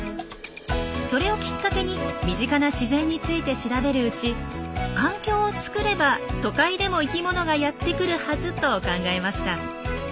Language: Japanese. それをきっかけに身近な自然について調べるうち環境を作れば都会でも生きものがやってくるはずと考えました。